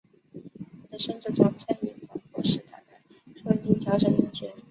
我的孙子总在你广播时打开收音机调整音节。